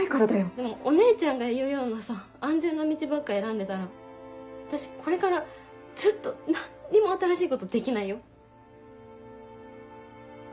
でもお姉ちゃんが言うようなさ安全な道ばっか選んでたら私これからずっと何にも新しいことできないよ。